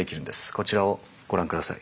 こちらをご覧下さい。